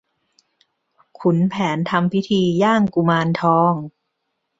ขุนแผนทำพิธีย่างกุมารทอง